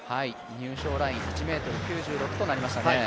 入賞ライン１ｍ９６となりました。